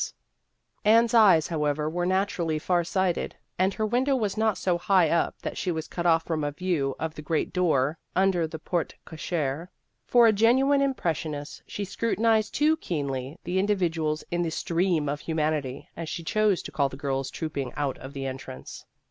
126 A Case of Incompatibility 127 Anne's eyes, however, were naturally far sighted, and her window was not so high up that she was cut off from a view of the great door under the porte cochere. For a genuine impressionist, she scruti nized too keenly the individuals in the " stream of humanity," as she chose to call the girls trooping out of the entrance.